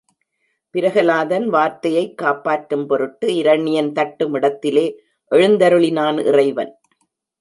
பிரகலாதன் வார்த்தையைக் காப்பாற்றும் பொருட்டு இரணியன் தட்டும் இடத்திலே எழுந்தருளினான் இறைவன்.